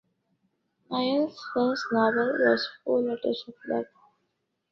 Niall's first novel was "Four Letters of Love".